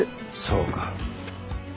そうか。